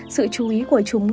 sự chú ý của chúng